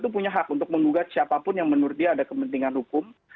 punya hak untuk menggugat siapapun yang menurut dia ada kepentingan hukum